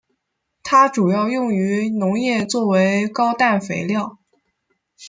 它主要用于农业作为高氮肥料。